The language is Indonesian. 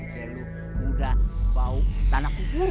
udah muda bau tanah kubur